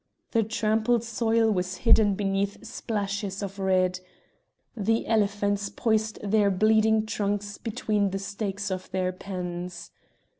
The trampled soil was hidden beneath splashes of red. The elephants poised their bleeding trunks between the stakes of their pens.